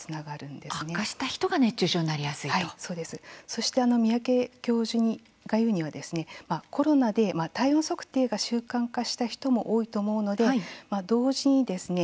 そして三宅教授が言うにはコロナで体温測定が習慣化した人も多いと思うので同時にですね